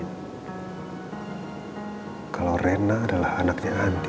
hai kalau rena adalah anaknya andi